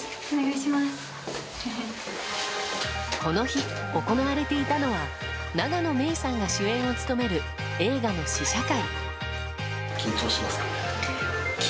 この日、行われていたのは永野芽郁さんが主演を務める映画の試写会。